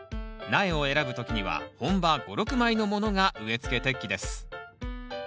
苗を選ぶ時には本葉５６枚のものが植えつけ適期です。